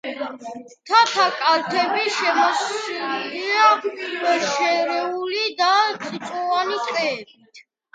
მთათა კალთები შემოსილია შერეული და წიწვოვანი ტყეებით.